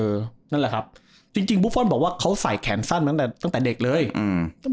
นั่นแหละครับจริงจริงบุฟฟอลบอกว่าเขาใส่แขนสั้นตั้งแต่ตั้งแต่เด็กเลยอืม